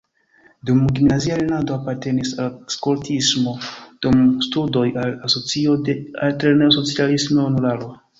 Dum gimnazia lernado apartenis al skoltismo, dum studoj al Asocio de Altlerneja Socialisma Junularo.